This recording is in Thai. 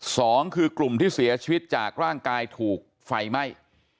สองคือกลุ่มที่เสียชีวิตจากร่างกายถูกไฟไหม้